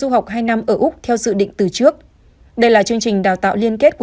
hoa hậu chia sẻ